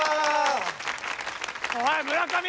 おい村上！